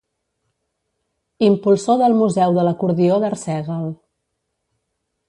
Impulsor del Museu de l'Acordió d'Arsèguel.